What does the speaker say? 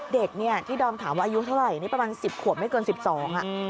เด็กเนี่ยที่ดอมถามว่าอายุเท่าไหร่นี่ประมาณ๑๐ขวบไม่เกิน๑๒อ่ะ